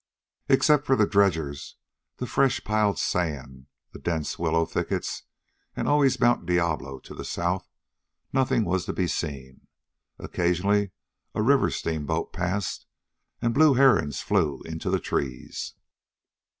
Except for the dredgers, the fresh piled sand, the dense willow thickets, and always Mt. Diablo to the south, nothing was to be seen. Occasionally a river steamboat passed, and blue herons flew into the trees.